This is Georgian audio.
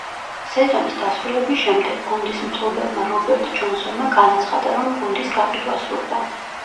სეზონის დასრულების შემდეგ, გუნდის მფლობელმა რობერტ ჯონსონმა განაცხადა, რომ გუნდის გაყიდვა სურდა.